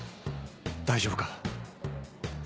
大丈夫か？